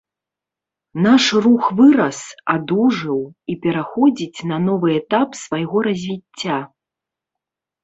Наш рух вырас, адужэў і пераходзіць на новы этап свайго развіцця.